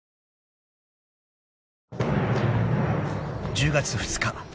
［１０月２日